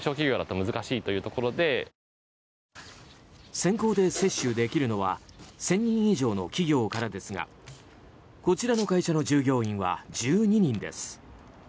先行で接種できるのは１０００人以上の企業からですがこちらの会社の従業員は１２人です。